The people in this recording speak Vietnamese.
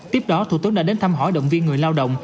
tiếp đó thủ tướng đã đến thăm hỏi động viên người lao động